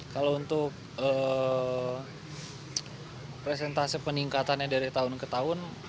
kalau untuk presentase peningkatannya dari tahun ke tahun